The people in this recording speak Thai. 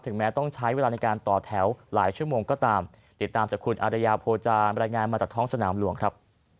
แม้ต้องใช้เวลาในการต่อแถวหลายชั่วโมงก็ตามติดตามจากคุณอารยาโพจารรายงานมาจากท้องสนามหลวงครับ